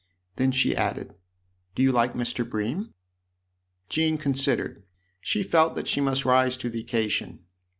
Then she added :" Do you like Mr. Bream ?" Jean considered ; she felt that she must rise to the occasion.